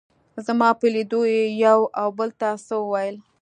زما په لیدو یې یو او بل ته څه وویل.